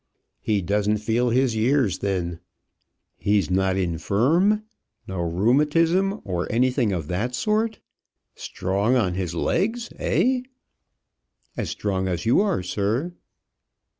"He doesn't feel his years, then? He's not infirm? no rheumatism or anything of that sort strong on his legs, eh?" "As strong as you are, sir."